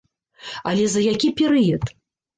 Але за які перыяд?